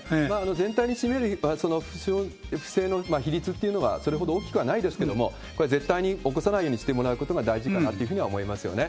全体に占める不正の比率っていうのはそれほど大きくはないですけども、これは絶対に起こさないようにしてもらうことが大事かなっていうふうには思いますよね。